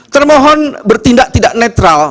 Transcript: termohon bertindak tidak netral